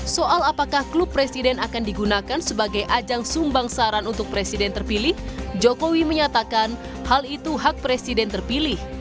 soal apakah klub presiden akan digunakan sebagai ajang sumbang saran untuk presiden terpilih jokowi menyatakan hal itu hak presiden terpilih